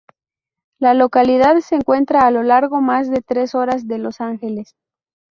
La localidad se encuentra a algo más de tres horas de Los Angeles.